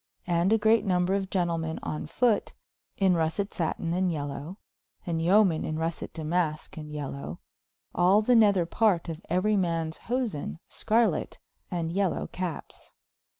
And a greate nomber of Gentlemen on fote, in russet satyn and yealow, and yomen in russet Damaske and yealow, all the nether parte of euery mans hosen Skarlet, and yealow cappes.